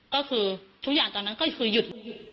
ก็คือทุกอย่างตอนนั้นก็คือหยุด